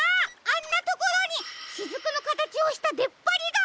あんなところにしずくのかたちをしたでっぱりが！